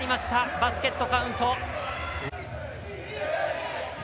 バスケットカウント！